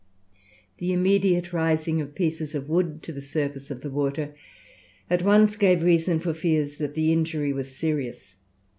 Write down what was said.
The immediate rising of pieces of wood to the surface of the water at once gave reason for fears that the injury was serious.